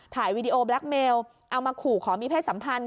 วีดีโอแบล็คเมลเอามาขู่ขอมีเพศสัมพันธ์